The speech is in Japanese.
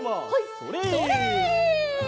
それ！